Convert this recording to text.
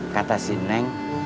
kata si neng